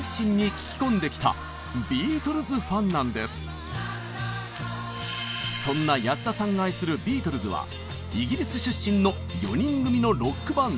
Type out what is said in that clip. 中学生の頃からそんな安田さんが愛するビートルズはイギリス出身の４人組のロックバンド。